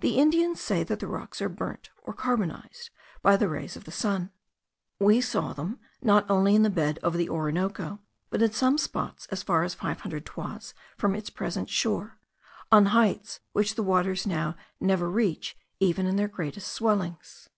The Indians say, that the rocks are burnt (or carbonized) by the rays of the sun. We saw them not only in the bed of the Orinoco, but in some spots as far as five hundred toises from its present shore, on heights which the waters now never reach even in their greatest swellings.